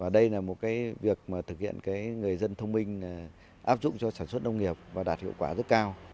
đây là một việc thực hiện người dân thông minh áp dụng cho sản xuất nông nghiệp và đạt hiệu quả rất cao